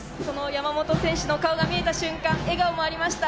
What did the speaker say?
山本選手の顔が見えた瞬間、笑顔もありました。